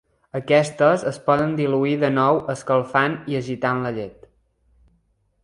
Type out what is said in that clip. Aquestes es poden diluir de nou escalfant i agitant la llet.